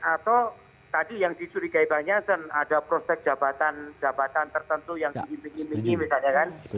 atau tadi yang disuruhi kaibang yassin ada prospek jabatan jabatan tertentu yang diimpin impin misalnya kan